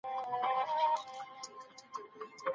د لویې جرګي د باصلاحیته غړو د انتخاب اصلي معیار څه دی؟